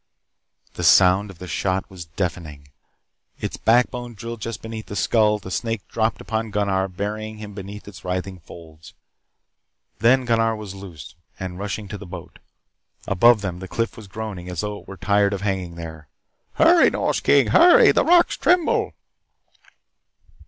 The sound of the shot was deafening. Its backbone drilled just beneath the skull, the snake dropped upon Gunnar, burying him beneath its writhing folds. Then Gunnar was loose, and running to the boat. Above them the cliff was groaning as though it were tired of hanging there. "Hurry, Nors King, hurry! The rocks tremble."